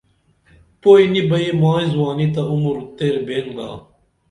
پُوئی نی بئی مائی زوانی تہ عُمُر تیر بین گا